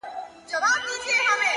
خود دي خالـونه پــه واوښتــل!!